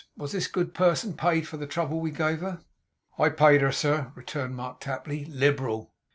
Was this good person paid for the trouble we gave her?' 'I paid her, sir,' returned Mark Tapley; 'liberal.